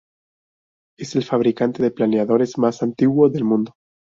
Es el fabricante de planeadores más antiguo del mundo.